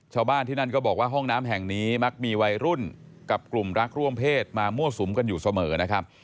ชาวบ้านที่นั่นก็บอกว่าห้องน้ำแห่งนี้มักมีวัยรุ่นกับกลุ่มรักร่วมเพศมามั่วสุมกันอยู่เสมอนะครับ